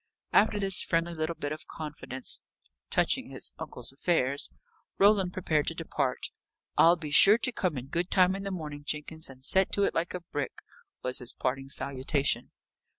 After this friendly little bit of confidence touching his uncle's affairs, Roland prepared to depart. "I'll be sure to come in good time nn the morning, Jenkins, and set to it like a brick," was his parting salutation.